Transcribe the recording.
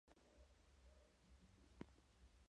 Sobrevivió al atentado el funcionario Wilson Pardo García.